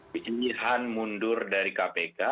pilihan mundur dari kpk